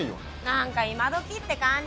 なんか今どきって感じ。